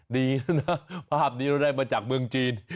ดีแล้วนะภาพนี้เราได้มาจากเมืองจีน